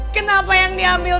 kenapa yang diambil